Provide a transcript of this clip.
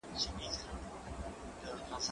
زه به سبا ږغ اورم وم!؟